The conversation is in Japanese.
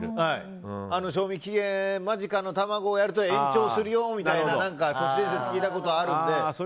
賞味期限間近の卵をやると延長するよみたいな都市伝説を聞いたことあるんで。